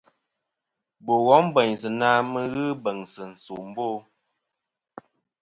Bò wom bèynsɨ na mɨ n-ghɨ bèŋsɨ̀ nsòmbo.